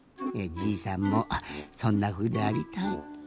じいさんもそんなふうでありたい。